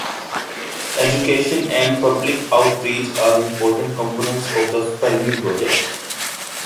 Education and public outreach are important components of the Fermi project.